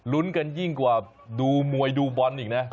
ลุ้นกันยิ่งกว่าดูมวยดูบอลอีกนะ